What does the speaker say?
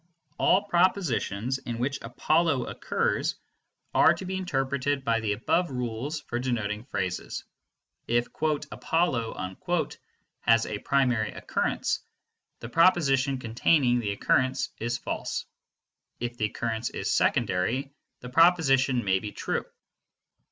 All propositions in which Apollo occurs are to be interpreted by the above rules for denoting phrases. If "Apollo" has a primary occurrence, the proposition containing the occurrence is false; if the occurrence is secondary, the proposition may be true.